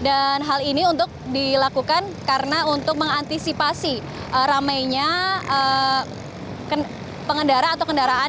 dan hal ini untuk dilakukan karena untuk mengantisipasi rameinya pengendara atau kendaraan